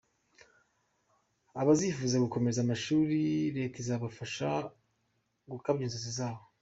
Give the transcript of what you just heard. Abazifuza gukomeza amashuri leta izabafasha gukabya inzozi zabo.